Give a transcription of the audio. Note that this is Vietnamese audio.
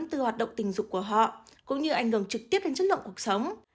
từ hoạt động tình dục của họ cũng như ảnh hưởng trực tiếp đến chất lượng cuộc sống